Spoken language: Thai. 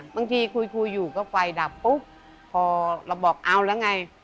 บางทีคุยอยู่ก็ไฟดับปุ๊บพอเราบอกเอาแล้วไง